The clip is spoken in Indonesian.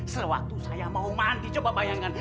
sewaktu saya mau mandi coba bayangkan